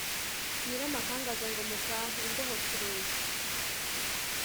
Nyiramakangaza ngo mutahe-Imbeho ku rugi